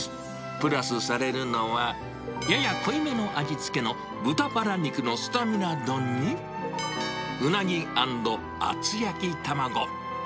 プラスされるのは、やや濃いめの味付けの豚バラ肉のスタミナ丼に、ウナギ＆厚焼き卵。